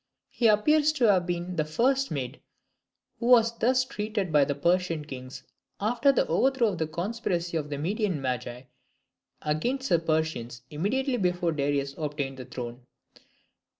He appears to have been the first Mede who was thus trusted by the Persian kings after the overthrow of the conspiracy of the Median Magi against the Persians immediately before Darius obtained the throne.